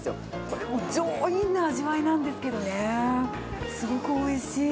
これも上品な味わいなんですけどね。